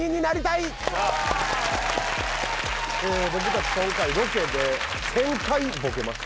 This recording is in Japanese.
僕たち今回ロケで１０００回ボケました。